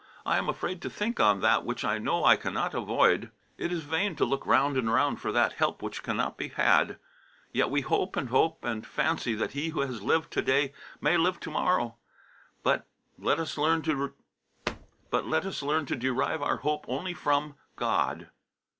I am afraid to think on that which I know I cannot avoid. It is vain to look round and round for that help which cannot be had. Yet we hope and hope, and fancy that he who has lived to day may live to morrow. But let us learn to derive our hope only from God.